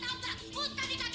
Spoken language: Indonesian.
kamu gak pernah didik sama abi